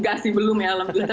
gak sih belum ya alhamdulillah